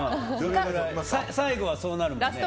最後はそうなるもんね。